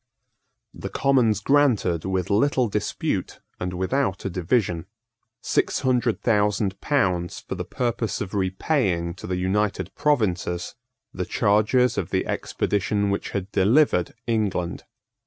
The Commons granted, with little dispute, and without a division, six hundred thousand pounds for the purpose of repaying to the United Provinces the charges of the expedition which had delivered England.